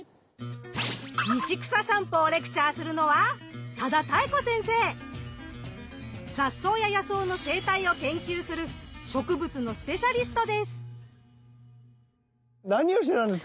道草さんぽをレクチャーするのは雑草や野草の生態を研究する何をしてたんですか？